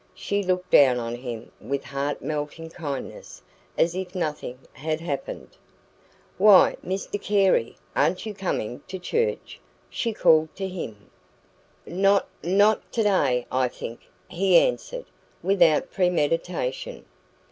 She looked down on him with heart melting kindness, as if nothing had happened. "Why, Mr Carey, aren't you coming to church?" she called to him. "Not not today, I think," he answered, without premeditation.